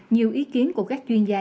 nhiều ý kiến của các chuyên gia